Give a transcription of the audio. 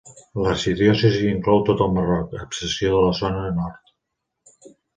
L'arxidiòcesi inclou tot el Marroc, a excepció de la zona nord.